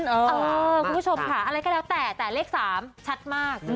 คุณผู้ชมค่ะอะไรก็แล้วแต่แต่เลข๓ชัดมาก